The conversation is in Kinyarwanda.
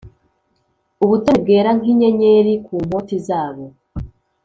ubutoni bwera nkinyenyeri kumpoti zabo